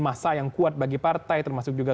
masa yang kuat bagi partai termasuk juga